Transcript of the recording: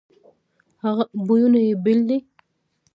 بویونه یې بیل دي.